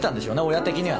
親的には。